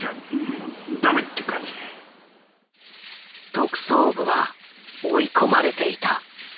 特捜部は追い込まれていた。